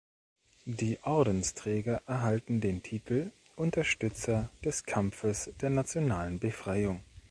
Die Ordensträger erhalten den Titel „Unterstützer des Kampfes der Nationalen Befreiung“.